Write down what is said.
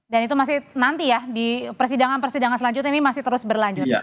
dan itu masih nanti ya di persidangan persidangan selanjutnya ini masih terus berlanjut